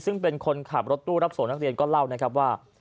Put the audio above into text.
ซึ่งเป็นคนขับรถตู้รับส่งนักเรียนก็เล่านะครับว่า